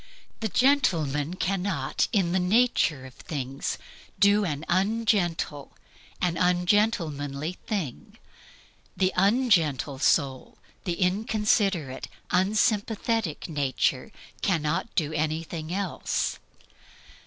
The gentle man cannot in the nature of things do an ungentle, an ungentlemanly thing. The ungentle soul, the inconsiderate, unsympathetic nature, cannot do anything else.